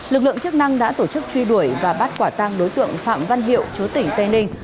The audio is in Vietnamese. lực lượng chức năng đã tổ chức truy đuổi và bắt quả tăng đối tượng phạm văn hiệu chúa tỉnh tây ninh